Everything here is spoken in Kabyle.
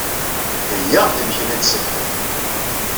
Heyyaɣ-d imekli n tṣebḥit.